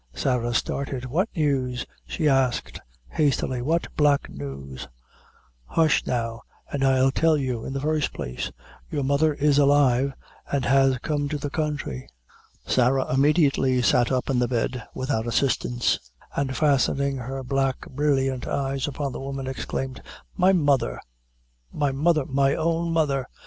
Sarah started. "What news," she asked, hastily "what black news?" "Husth, now, an' I'll tell you; in the first place, your mother is alive, an' has come to the counthry." Sarah immediately sat up in the bed, without assistance, and fastening her black, brilliant eyes upon the woman, exclaimed "My mother my mother my own mother!